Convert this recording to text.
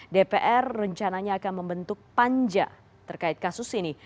dpr rencananya akan membentuk panja terkait kasus ini